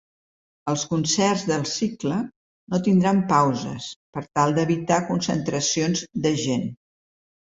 Els concerts del cicle no tindran pauses, per tal d’evitar concentracions de gent.